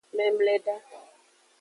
Memleda.